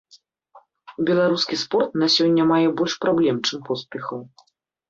Беларускі спорт на сёння мае больш праблем, чым поспехаў.